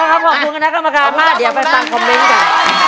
เอาครับขอบคุณคุณนักกรรมการมากเดี๋ยวไปสั่งคอมเม้นท์กัน